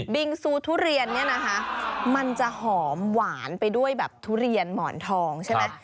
ิงซูทุเรียนเนี่ยนะคะมันจะหอมหวานไปด้วยแบบทุเรียนหมอนทองใช่ไหม